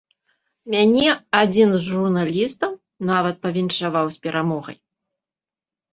Мяне адзін з журналістаў нават павіншаваў з перамогай.